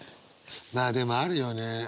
まあでもあるよね。